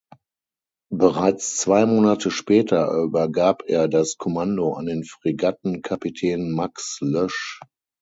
Bereits zwei Monate später übergab er das Kommando an den Fregattenkapitän Max Loesch.